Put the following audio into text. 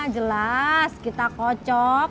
jelas kita kocok